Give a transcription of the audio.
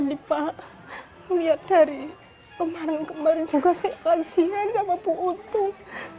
sedih sekali pak lihat dari kemarin kemarin juga saya kasihan sama bu untung